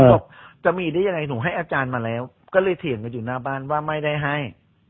บอกจะมีได้ยังไงหนูให้อาจารย์มาแล้วก็เลยเถียงกันอยู่หน้าบ้านว่าไม่ได้ให้